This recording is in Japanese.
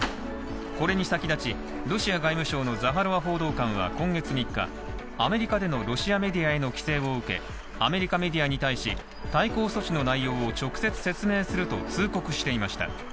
これに先立ち、ロシア外務省のザハロワ報道官は今月３日、アメリカでのロシアメディアへの規制を受け、アメリカメディアに対し、対抗措置の内容を直接説明すると通告していました。